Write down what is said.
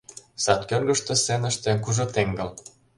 Сад кӧргыштӧ, сценыште, — кужу теҥгыл.